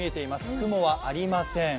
雲はありません。